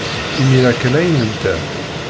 Imir-a kan ay nedda.